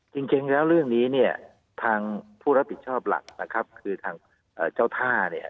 จริงแล้วเรื่องนี้เนี่ยทางผู้รับผิดชอบหลักนะครับคือทางเจ้าท่าเนี่ย